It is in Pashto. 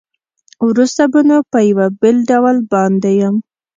وروسته به نو په یوه بېل ډول باندې یم.